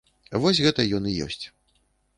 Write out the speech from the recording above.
Вось, гэта ён і ёсць.